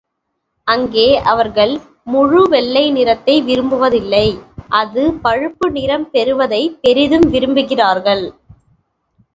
அங்கே அவர்கள் முழு வெள்ளை நிறத்தை விரும்புவதில்லை அது பழுப்பு நிறம் பெறுவதைப் பெரிதும் விரும்புகிறார்கள்.